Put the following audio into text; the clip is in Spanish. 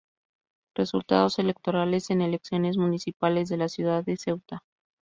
Resultados electorales en elecciones municipales de la ciudad de Ceuta